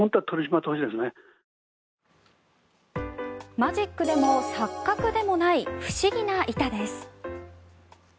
マジックでも錯覚でもない不思議な板です。